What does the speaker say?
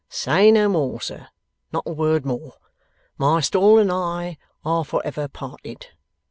Say no more, sir, not a word more. My stall and I are for ever parted.